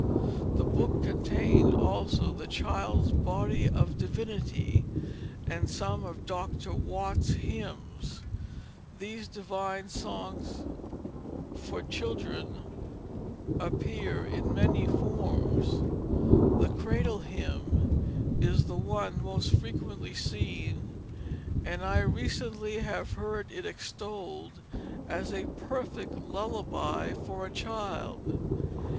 The book contained also the Child's Body of Divinity, and some of Dr. Watts' hymns. These Divine Songs for Children appear in many forms. The Cradle Hymn is the one most frequently seen, and I recently have heard it extolled as "a perfect lullaby for a child."